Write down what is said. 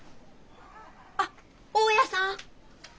あっ大家さん。